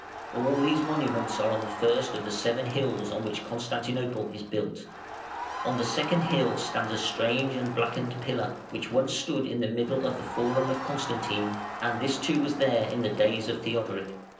All these monuments are on the first of the seven hills on which Constantinople is built. On the second hill stands a strange and blackened pillar, which once stood in the middle of the Forum of Constantine; and this too was there in the days of Theodoric.